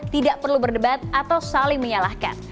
tidak perlu berdebat atau saling menyalahkan